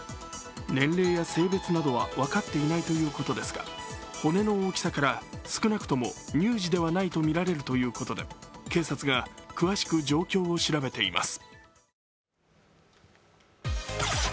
年齢や性別などは分かっていないということですが、骨の大きさから少なくとも乳児ではないとみられるということで警察が詳しく状況を調べています。